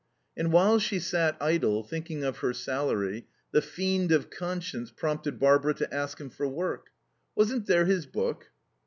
And while she sat idle, thinking of her salary, the fiend of conscience prompted Barbara to ask him for work. Wasn't there his book?